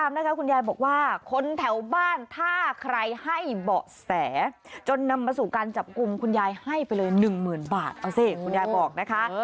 ๑หมื่นบาทเอาสิคุณยายบอกนะคะ